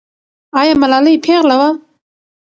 آیا ملالۍ پېغله وه؟